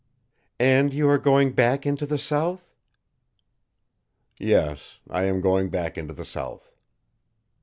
"And you are going back into the south?" "Yes, I am going back into the south."